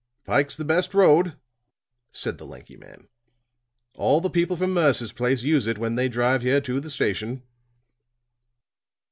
"The pike's the best road," said the lanky man. "All the people from Mercer's place use it when they drive here to the station."